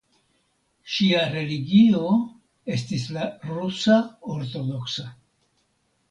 Ŝia religio estis la Rusa Ortodoksa.